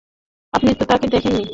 আপনি তো তাকে দেখেননি।